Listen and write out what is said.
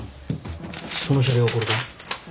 その車両はこれか？